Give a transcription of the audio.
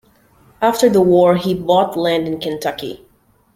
After the war, he bought land in Kentucky.